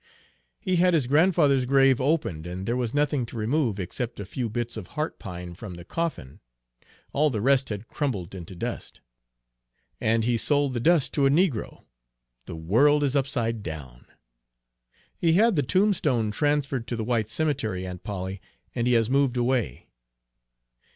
"He had his grandfather's grave opened, and there was nothing to remove, except a few bits of heart pine from the coffin. All the rest had crumbled into dust." "And he sold the dust to a negro! The world is upside down." "He had the tombstone transferred to the white cemetery, Aunt Polly, and he has moved away."